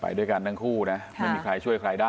ไปด้วยกันทั้งคู่นะไม่มีใครช่วยใครได้